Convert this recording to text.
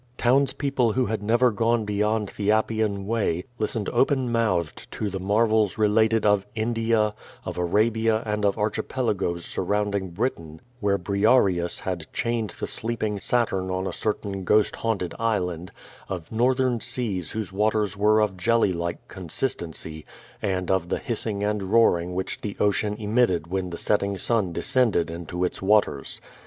Townspeople who had never gone beyond the Appian Way, listened open mouthed to the marvels related of India; of Arabia and of archipelagoes surrounding Britain, where Briareus had chained the sleeping Saturn on a certain ghost haunted island; of northern seas whose waters were of jelly like consistency; and of the hissing and roaring which the ocean omitted when the setting sun descended into its waters.